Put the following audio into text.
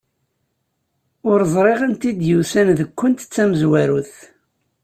Ur ẓriɣ anta i d-yusan deg-kunt d tamenzut.